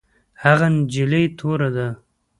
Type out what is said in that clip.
هغه نجلۍ توره ده